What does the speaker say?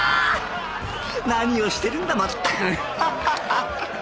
何をしてるんだまったく。ハハハハハ！